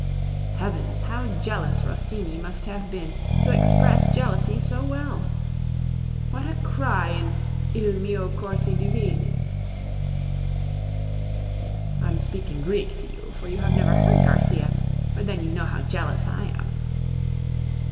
Heavens! how jealous Rossini must have been to express jealousy so well! What a cry in "Il mio cor si divide!" I'm speaking Greek to you, for you never heard Garcia, but then you know how jealous I am!